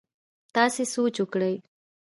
تاسي سوچ وکړئ!